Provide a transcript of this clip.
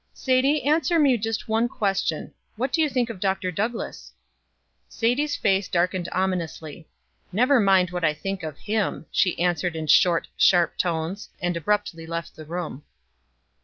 "Sadie, answer me just one question. What do you think of Dr. Douglass?" Sadie's face darkened ominously. "Never mind what I think of him," she answered in short, sharp tones, and abruptly left the room.